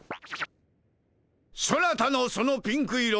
そなたのそのピンク色